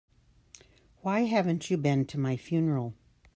Why haven't you been to my funeral?